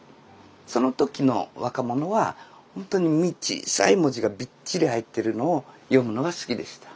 その時の若者はほんとに小さい文字がびっちり入っているのを読むのが好きでした。